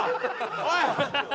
おい！